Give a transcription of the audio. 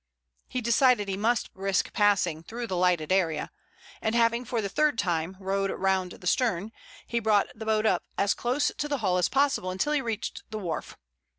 He decided he must risk passing through the lighted area, and, having for the third time rowed round the stern, he brought the boat up as close to the hull as possible until he reached the wharf.